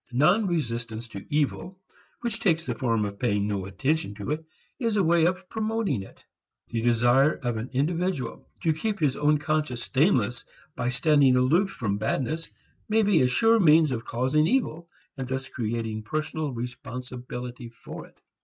Non resistance to evil which takes the form of paying no attention to it is a way of promoting it. The desire of an individual to keep his own conscience stainless by standing aloof from badness may be a sure means of causing evil and thus of creating personal responsibility for it.